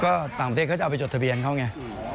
ก็ต่างประเทศเขาจะเอาไปจดทะเบียนเขาไง